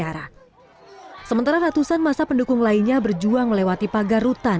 ketua fpi itu yang siapa tuh pak